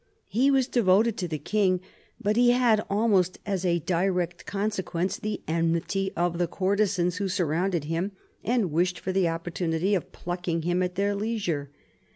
He was devoted to the king, but had, almost as a direct consequence, the enmity of the courtesans who surrounded him and wished for the opportunity of plucking him at their leisure.